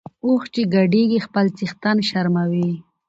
اوښ چی ګډیږي خپل څښتن شرموي .